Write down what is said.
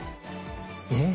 えっ？